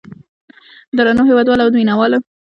درنو هېوادوالو او مینه والو.